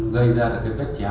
gây ra cái vết chém